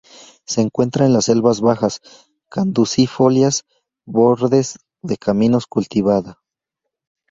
Se encuentra en la selvas bajas caducifolias, bordes de caminos, cultivada.